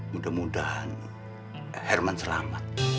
mudah mudahan herman selamat